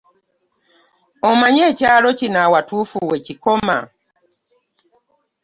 Omanyi ekyalo kino awatuufu we kikoma?